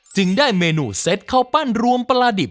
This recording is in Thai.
จึงได้เมนูเซ็ตข้าวปั้นรวมปลาดิบ